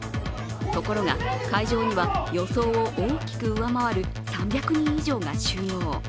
ところが、会場には予想を大きく上回る３００人以上が集合。